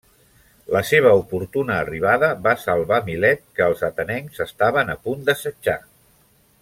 La seva oportuna arribada va salvar Milet que els atenencs estaven a punt d'assetjar.